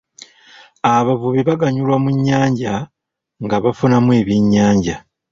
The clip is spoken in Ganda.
Abavubi baganyulwa mu nnyanja nga bafunafu ebyenyanja.